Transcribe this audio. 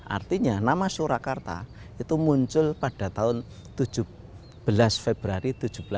artinya nama surakarta itu muncul pada tahun tujuh belas februari seribu tujuh ratus enam puluh